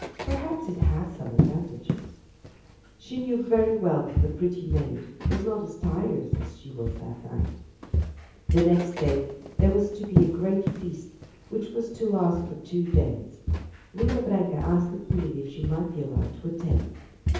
"Perhaps it has some advantages." She knew very well that the pretty maid was not as tired as she that night. The next day there was to be a great feast which was to last for two days. Linda Branca asked the queen if she might be allowed to attend.